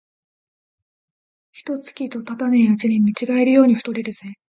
一と月とたたねえうちに見違えるように太れるぜ